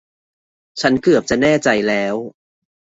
ฉันเกือบจะแน่ใจแล้ว